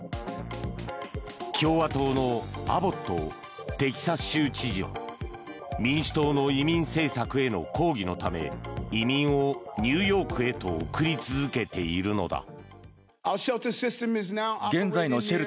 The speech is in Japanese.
共和党の、アボットテキサス州知事は民主党の移民政策への抗議のため移民をニューヨークへと送り続けているのだ。